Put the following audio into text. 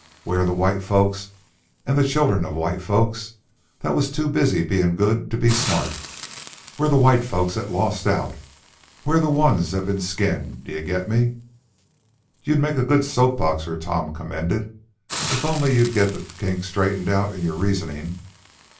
We're the white folks an' the children of white folks, that was too busy being good to be smart. We're the white folks that lost out. We're the ones that's ben skinned. D'ye get me?" "You'd make a good soap boxer," Tom commended, "if only you'd get the kinks straightened out in your reasoning."